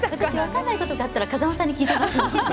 私、分からないことがあったら風間さんに聞いていました。